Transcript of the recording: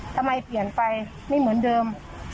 ทำไมเปลี่ยนไปไม่เหมือนเดิม